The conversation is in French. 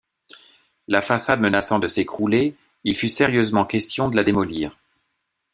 La façade menaçant de s'écrouler, il fut sérieusement question de la démolir.